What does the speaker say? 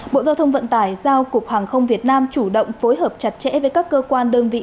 bộ giao thông vận tải giao cục hàng không việt nam chủ động phối hợp chặt chẽ với các cơ quan đơn vị